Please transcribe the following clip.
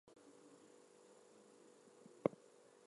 They were portrayed in the film by red 'Grand Prix' roses.